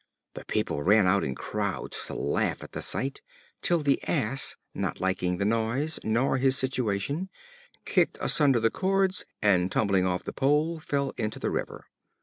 The people ran out in crowds to laugh at the sight; till the Ass, not liking the noise nor his situation, kicked asunder the cords and, tumbling off the pole, fell into the river.